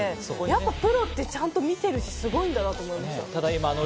プロってちゃんと見てるし、すごいんだなと思いました。